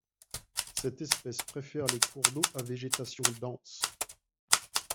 Cette espèce préfère les cours d'eau à végétation dense.